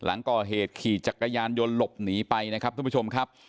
หลังก่อเหตุขี่จักรยานยนต์หลบหนีไปนะครับทุกผู้ชมครับ